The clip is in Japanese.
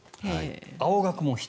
青学も１人。